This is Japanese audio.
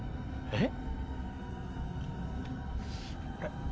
えっ？